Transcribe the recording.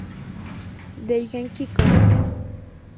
Dengeki Comics